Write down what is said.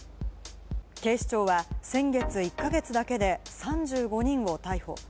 警視庁は先月１か月だけで３５人を逮捕。